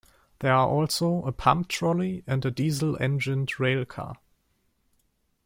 There are also a pump trolley and a diesel-engined railcar.